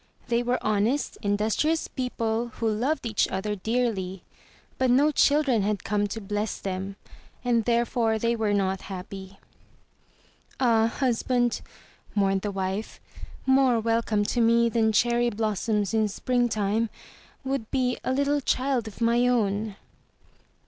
They were honest, indus trious people who loved each other dearly, but no children had come to bless them, and therefore they were not happy. "Ah husband," mourned the wife, "more welcome to me than cherry blossoms in springtime would be a little child of my own."